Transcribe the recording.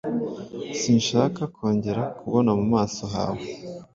Sinshaka kongera kubona mu maso hawe.